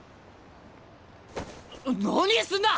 何すんだ！